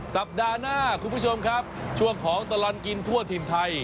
สัปดาห์หน้าคุณผู้ชมครับช่วงของตลอดกินทั่วถิ่นไทย